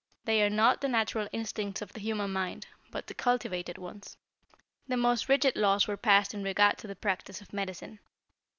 They are not the natural instincts of the human mind, but the cultivated ones. "The most rigid laws were passed in regard to the practice of medicine.